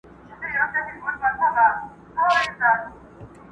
سپی یوازي تر ماښام پوري غپا کړي!!